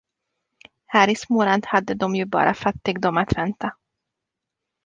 Här i Småland hade de ju bara fattigdom att vänta.